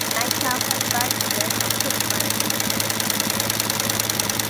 Na sha kwalba biyar na coke mara sikari.